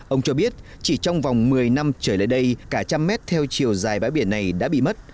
ông cho biết chỉ trong vòng một mươi năm trở lại đây cả trăm mét theo chiều dài bãi biển này đã bị mất